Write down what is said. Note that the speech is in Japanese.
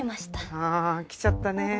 あ来ちゃったね